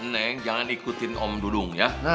neng jangan ikutin om dulu ya